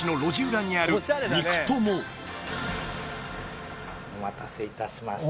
裏にある肉友お待たせいたしました